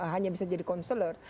hanya bisa jadi konselor